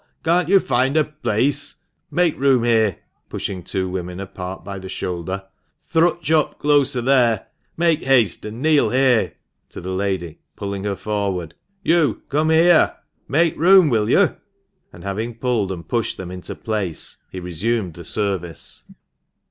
Can't you find a place ? Make room here !" (pushing two women apart by the shoulder), " thrutch up closer there ! Make haste, and kneel here !" (to the lady, pulling her forward). " You come here ; make room, will you ?" and having pulled and pushed them into place, he resumed the service.